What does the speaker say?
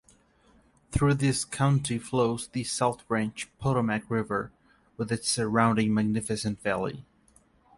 Through this county flows the South Branch Potomac River with its surrounding magnificent valley.